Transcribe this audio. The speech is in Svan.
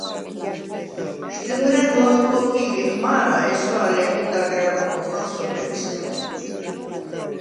შდჷმრა̈რ ლახ ხოკი̄ლიხ მა̄რა, ესვა̄ლე̄მი დაგრა როქვ ხოხალ სოფელისგა.